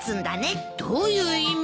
どういう意味よ。